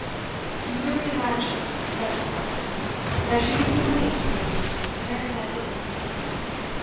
'You really imagine,' said his father, 'that I should give you money to enable you to marry that idiot?